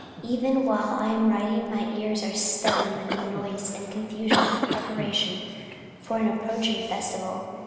Even while I am writing my ears are stunned with the noise and confusion of preparation for an approaching festival.